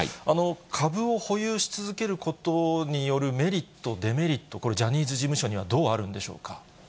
株を保有し続けることによるメリット、デメリット、これ、ジャニーズ事務所にはどうあるんでしょうか。